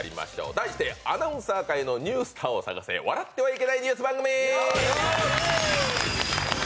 題してアナウンサー界のニュースターを探せ笑ってはいけないニュース番組！